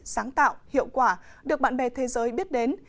sáng tạo hiệu quả được bạn bè thế giới biết đến